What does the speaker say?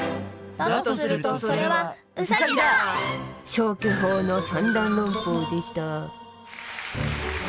消去法の三段論法でした。